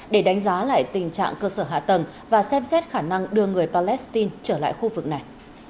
để đánh giá lại tình trạng cơ sở hạ tầng và xem xét khả năng đưa người palestine trở lại khu vực này